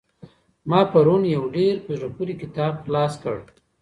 ما پرون يو ډېر په زړه پوري کتاب خلاص کړ.